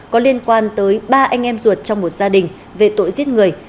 có liên quan tới ba anh em ruột trong một gia đình về tội giết người